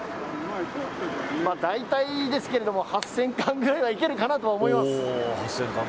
だいたいですけれども８０００貫ぐらいはいけるかなと思います。